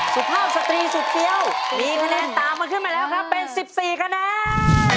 สุภาพสตรีสุดเฟี้ยวมีคะแนนตามมันขึ้นมาแล้วครับเป็น๑๔คะแนน